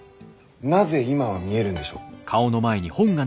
なぜ今は見えるんでしょう？